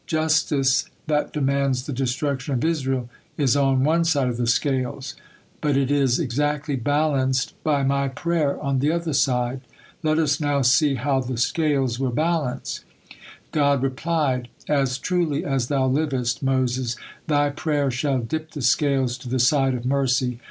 Justice, that demands the destruction of Israel, is on one side of the scales, but it is exactly balance by my prayer on the other side. Let us now see how the scales will balance." God replied: "As truly as thou livest, Moses, thy prayer shall dip the scales to the side of mercy.